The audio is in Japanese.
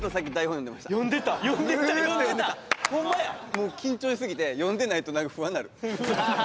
もう緊張しすぎて読んでないとなんか不安になる。